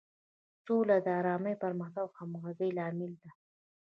سوله د ارامۍ، پرمختګ او همغږۍ لامل ده.